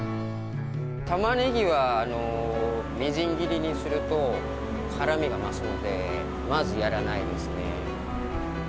玉ねぎはみじん切りにすると辛みが増すのでまずやらないですね。